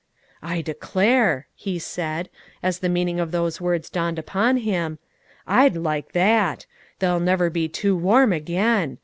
"I declare," he said, as the meaning of those words dawned upon him, "I'd like that! they'll never be too warm again.